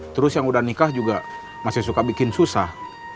terus yang udah nikah juga masih suka bikin susah